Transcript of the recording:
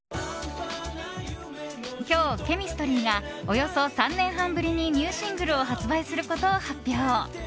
今日、ＣＨＥＭＩＳＴＲＹがおよそ３年半ぶりにニューシングルを発売することを発表。